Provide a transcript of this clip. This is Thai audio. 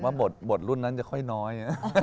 บทรุ่นนั้นจะค่อยน้อย